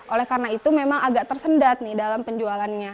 oleh karena itu memang agak tersendat nih dalam penjualannya